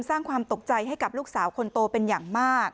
สร้างความตกใจให้กับลูกสาวคนโตเป็นอย่างมาก